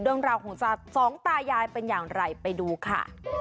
เรื่องราวของสองตายายเป็นอย่างไรไปดูค่ะ